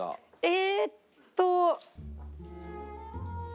えーっと。